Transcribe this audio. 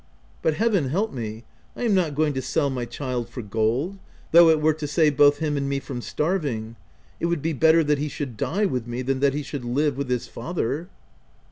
But, Heaven help me ! I am not going to sell my child for gold, though it were to save both him and me from starving : it would be better that he should die with me, than that he should live with his father.